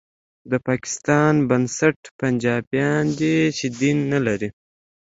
د پاکستان بنسټ پنجابیان دي چې دین نه لري